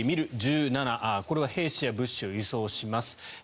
これは兵士や物資を輸送します。